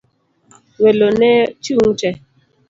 Welo no chung' te.